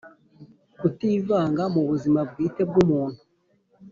Kutivanga mu buzima bwite bw’umuntu.